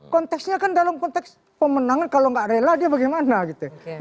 konteksnya kan dalam konteks pemenangan kalau nggak rela dia bagaimana gitu